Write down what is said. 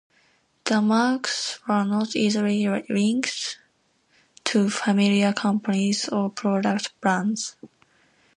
The marks were not easily linked to familiar companies or product brands.